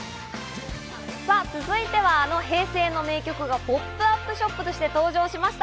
続いては、あの平成の名曲がポップアップショップとして登場しました。